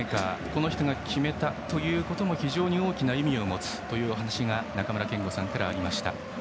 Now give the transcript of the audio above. この人が決めたということも非常に大きな意味を持つというお話が中村憲剛さんからありました。